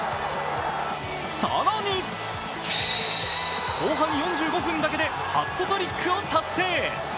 更に、後半４５分だけでハットトリックを達成。